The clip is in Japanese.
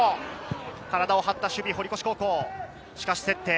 体を張った守備の堀越高校。